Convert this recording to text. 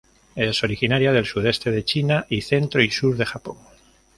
Es originaria del sudeste de China y centro y sur de Japón.